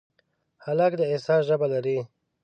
هلک د احساس ژبه لري.